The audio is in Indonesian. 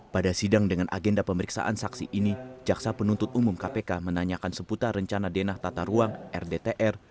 pada sidang dengan agenda pemeriksaan saksi ini jaksa penuntut umum kpk menanyakan seputar rencana denah tata ruang rdtr